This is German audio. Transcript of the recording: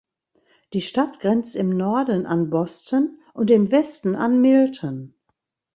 Die Stadt grenzt im Norden an Boston und im Westen an Milton.